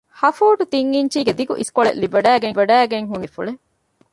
ހަ ފޫޓު ތިން އިންޗީގެ ދިގު އިސްކޮޅެއް ލިބިވަޑައިގެން ހުންނެވި ބޭފުޅެއް